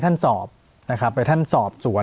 ปากกับภาคภูมิ